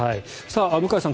向井さん